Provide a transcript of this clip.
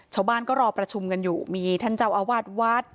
ชาวบ้านก็รอประชุมกันอยู่มีท่านเจ้าอาวาสวัด